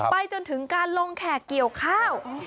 ไปจนถึงการลงแขกเกี่ยวข้าว